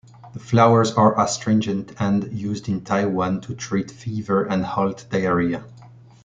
The flowers are astringent and used in Taiwan to treat fever and halt diarrhea.